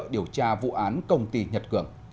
điều tra vụ án công ty nhật cường